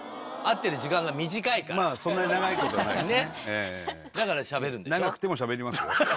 そんなに長いことはないですね。